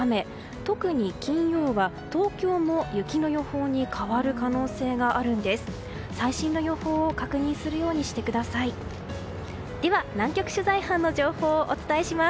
特に金曜は東京も雪の予報に変わる可能性があるんです。